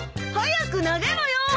早く投げろよ！